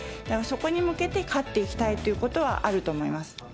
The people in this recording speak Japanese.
だからそこに向けて、勝っていきたいということはあると思います。